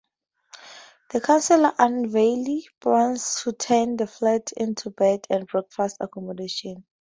The council unveils plans to turn the flats into bed and breakfast accommodation.